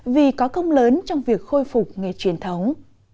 vì có công lớn trong việc khôi phục nghề truyền thống